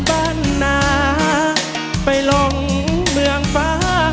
ไปลองเมืองฟ้า